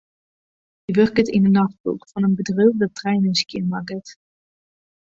Hy wurket yn 'e nachtploech fan in bedriuw dat treinen skjinmakket.